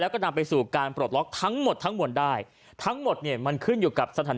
แล้วก็นำไปสู่การปลดล็อกทั้งหมดทั้งมวลได้ทั้งหมดเนี่ยมันขึ้นอยู่กับสถาน